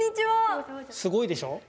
すごいでしょ。